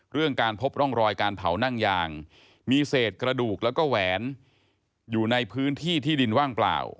เรื่องการพบร่องรอยการเผานั่งยางมีเศษกระดูกแล้วก็แหวนอยู่ในพื้นที่ที่ดินว่างเปล่า